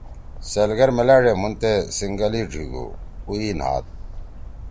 سیلگر میلأژے مُھن تے سینگل ئی ڙھیِگُو، اُو ئی نھات۔